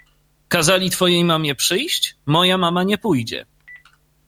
— Kazali twojej mamie przyjść? — Moja mama nie pójdzie.